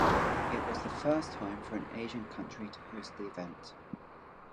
It was the first time for an Asian country to host the event.